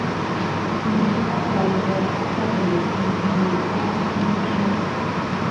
Nderɓa tät ɗay akà delif mis ŋderba hiki.